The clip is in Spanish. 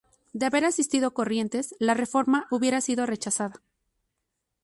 De haber asistido Corrientes, la reforma hubiera sido rechazada.